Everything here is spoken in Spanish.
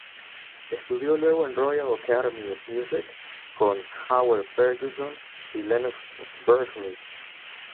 Estudió luego en Royal Academy of Music con Howard Ferguson y Lennox Berkeley.